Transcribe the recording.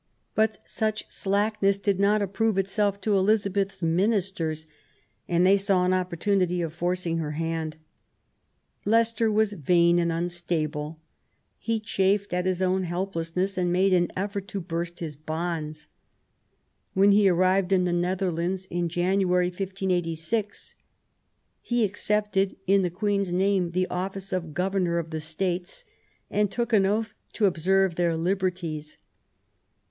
But such slackness did not approve itself to Elizabeth's ministers, and they saw an opportunity of forcing her hand. Leicester was vain and unstable ; he chafed at his own help THE CRISIS. 221 lessness, and made an effort to burst his bonds. When he arrived in the Netherlands, in January, 1586, he accepted in the Queen's name the office of Governor of the States and took an oath to observe their liberties.